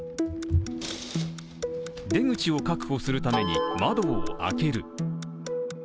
出口を確保するために、窓を開ける。